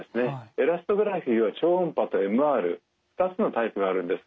エラストグラフィは超音波とＭＲ２つのタイプがあるんです。